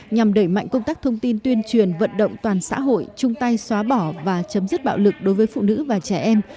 nhằm đẩy mạnh công tác thông tin tuyên truyền vận động toàn xã hội chung tay xóa bỏ và chấm dứt bạo lực đối với phụ nữ và trẻ em